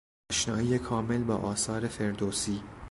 آشنایی کامل با آثار فردوسی